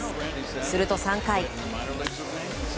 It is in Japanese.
すると３回。